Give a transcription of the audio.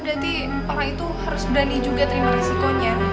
berarti orang itu harus berani juga terima risikonya